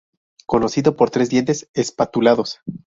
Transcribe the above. Conocido por tres dientes espatulados.